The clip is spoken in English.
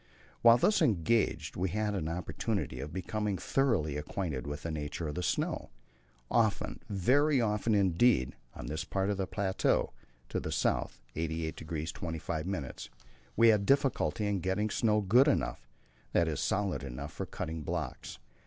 While thus engaged we had an opportunity of becoming thoroughly acquainted with the nature of the snow. Often very often indeed on this part of the plateau, to the south of 88° 25', we had difficulty in getting snow good enough that is, solid enough for cutting blocks.